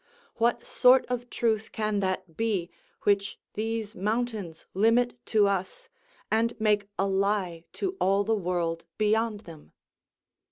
What sort of truth can that be, which these mountains limit to us, and make a lie to all the world beyond them?